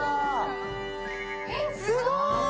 すごーい！